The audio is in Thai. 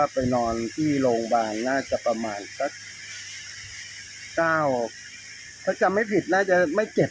ไปนอนที่โรงพยาบาลน่าจะประมาณสัก๙ถ้าจำไม่ผิดน่าจะไม่เจ็บ